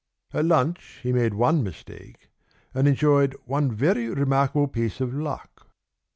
At lunch he made one mistake, and enjoyed one very remarkable piece of luck.